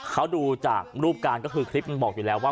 เขาดูจากรูปการณ์ก็คือคลิปมันบอกอยู่แล้วว่า